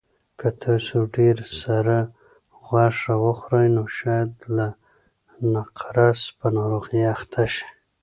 که تاسو ډېره سره غوښه وخورئ نو شاید د نقرس په ناروغۍ اخته شئ.